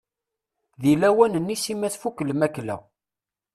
Deg lawan-nni Sima tfuk lmakla.